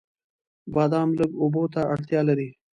بادام لږو اوبو ته اړتیا لري.